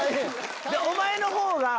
お前のほうが。